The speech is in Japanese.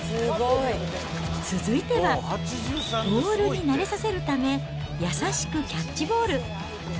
続いては、ボールに慣れさせるため、優しくキャッチボール。